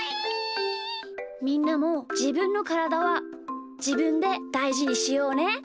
みんなもじぶんのからだはじぶんでだいじにしようね！